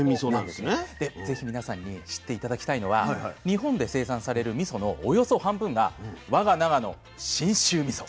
で是非皆さんに知って頂きたいのは日本で生産されるみそのおよそ半分が我が長野信州みそ。